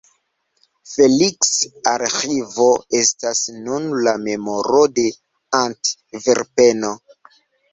Feliks-Arĥivo estas nun la memoro de Antverpeno.